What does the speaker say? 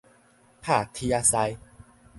拍鐵仔師